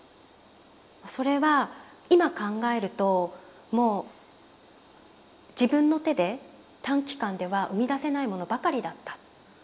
それは今考えるともう自分の手で短期間では生み出せないものばかりだった。